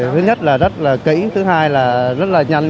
thứ nhất là rất kỹ thứ hai là rất nhanh